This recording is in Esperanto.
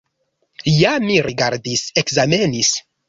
Ja mi rigardis, ekzamenis!